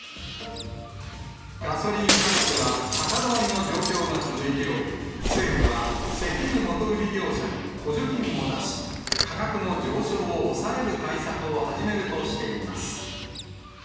ガソリン価格は高止まりの状況が続いており、政府は、石油元売り業者に補助金を出し、価格の上昇を抑える対策を始めるとしています。